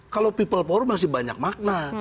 kalau people power masih banyak makna